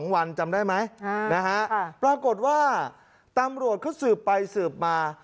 ๒วันจำได้ไหมปรากฏว่าตำรวจเขาสืบไปสืบมา